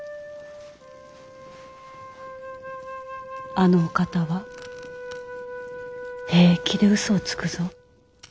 あのお方は平気で嘘をつくぞ。